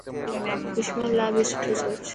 دشمن لاءِ بهي سٺو سوچ.